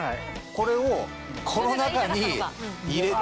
これをこの中に入れて。